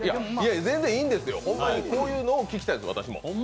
全然いいんですよ、ほんまにこういうのを聞きたいです、私も。